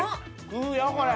食うよこれ。